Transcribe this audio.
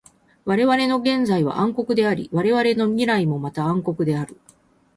われわれの現在は暗黒であり、われわれの未来もまた暗黒である。